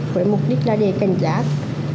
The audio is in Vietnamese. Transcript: với mục đích là để cảnh giác